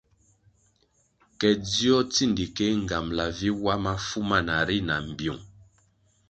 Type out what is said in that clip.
Ke dzio tsindikéh nğambala vi wa mafu mana ri na mbpiung.